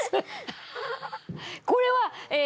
これはえ